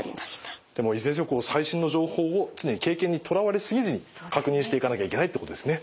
でもいずれにせよ最新の情報を常に経験にとらわれすぎずに確認していかなきゃいけないということですね。